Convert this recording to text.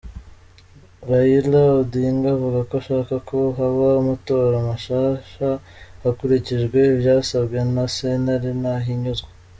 Raila Odinga avuga ko ashaka ko haba amatora mashasha hakurikijwe ivyasabwe na sentare ntahinyuzwa.